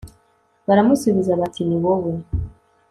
baramusubiza bati, niwowe